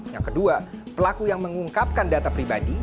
yang kedua pelaku yang mengungkapkan data pribadi